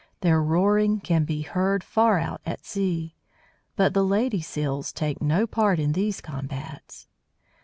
Their roaring can be heard far out at sea; but the lady Seals take no part in these combats.